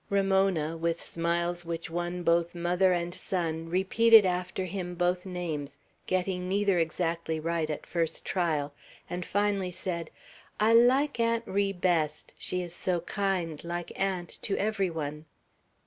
Ramona, with smiles which won both mother and son, repeated after him both names, getting neither exactly right at first trial, and finally said, "I like 'Aunt Ri' best; she is so kind, like aunt, to every one."